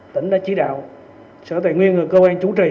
tỉnh đã chỉ đạo sở tài nguyên và cơ quan chủ trì